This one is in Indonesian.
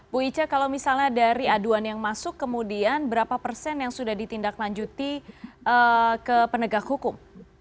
bu ica kalau misalnya dari aduan yang masuk kemudian berapa persen yang sudah ditindaklanjuti ke penegak hukum